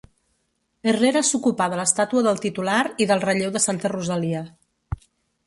Herrera s'ocupà de l'estàtua del titular i del relleu de Santa Rosalia.